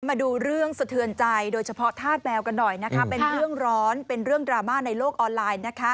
มาดูเรื่องสะเทือนใจโดยเฉพาะธาตุแมวกันหน่อยนะคะเป็นเรื่องร้อนเป็นเรื่องดราม่าในโลกออนไลน์นะคะ